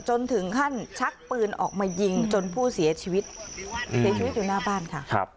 จนถึงขั้นชักปืนออกมายิงจนผู้เสียชีวิตเสียชีวิตอยู่หน้าบ้านค่ะ